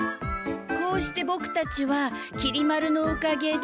こうしてボクたちはきり丸のおかげで。